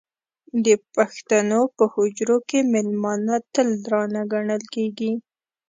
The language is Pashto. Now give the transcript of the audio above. د پښتنو په حجرو کې مېلمانه تل درانه ګڼل کېږي.